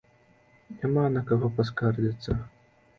Няма на каго паскардзіцца.